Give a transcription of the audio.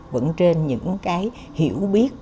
vẫn trên những hiểu biết